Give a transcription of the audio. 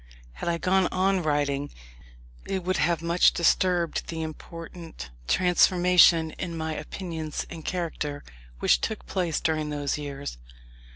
Had I gone on writing, it would have much disturbed the important transformation in my opinions and character, which took place during those years.